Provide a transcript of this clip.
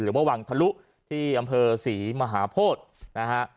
ว่าวังทะลุที่อำเภอศรีมหาโพธินะฮะ